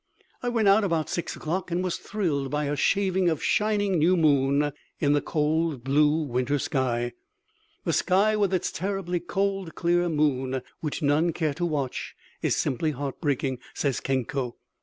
I went out about six o'clock, and was thrilled by a shaving of shining new moon in the cold blue winter sky "the sky with its terribly cold clear moon, which none care to watch, is simply heart breaking," says Kenko.